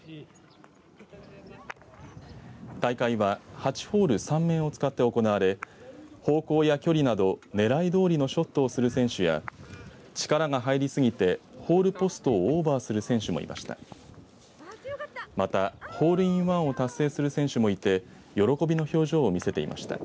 大会は８ホール３面を使って行われ方向や距離など狙いどおりのショットをする選手や力が入りすぎてホールポストをオーバーする選手もいました。